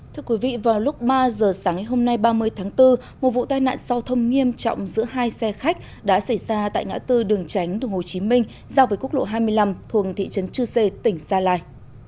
thưa quý vị vào lúc ba giờ sáng ngày hôm nay ba mươi tháng bốn một vụ tai nạn giao thông nghiêm trọng giữa hai xe khách đã xảy ra tại ngã tư đường tránh đường hồ chí minh giao với quốc lộ hai mươi năm thuồng thị trấn chư sê tỉnh gia lai